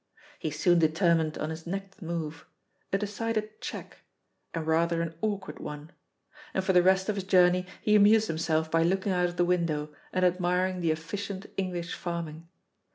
He soon determined on his next move a decided "check," and rather an awkward one; and for the rest of his journey he amused himself by looking out of the window, and admiring the efficient English farming.